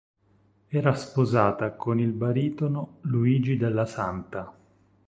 Era sposata con il baritono Luigi della Santa.